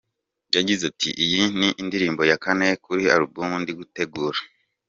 Yagize ati “iyi ni indirimbo ya kane kuri album ndi gutegura.